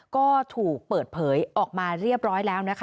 ก็ถูกเปิดเผยออกมาเรียบร้อยแล้วนะคะ